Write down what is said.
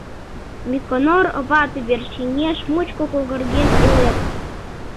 Миконор вате верч кеҥеж мучко когарген илет...